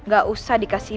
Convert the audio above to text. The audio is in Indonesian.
gak usah dikasih